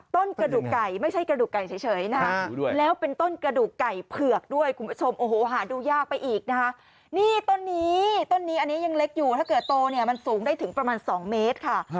ต้นไม้ค่ะต้นกระดูกไก่ไม่ใช่กระดูกไก่เฉยนะ